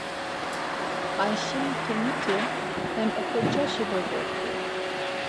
Ayşe mtiniti he oxorcaşi bozo t̆u.